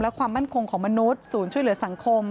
และความมั่นคงของมนุษย์ศูนย์ช่วยเหลือสังคม